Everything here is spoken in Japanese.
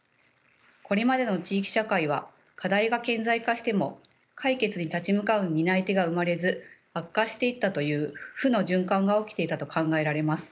これまでの地域社会は課題が顕在化しても解決に立ち向かう担い手が生まれず悪化していったという負の循環が起きていたと考えられます。